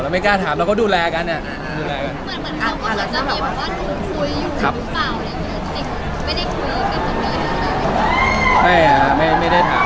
แล้วไม่กล้าถามแล้วก็ดูแลกันอ่ะดูแลกัน